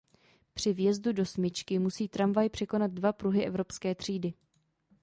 Při vjezdu do smyčky musí tramvaj překonat dva pruhy Evropské třídy.